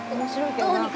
どうにか。